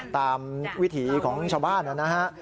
ตามวิถีของชาวบ้านนะ